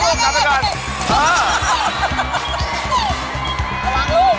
ประหลังลูกประหลังลูก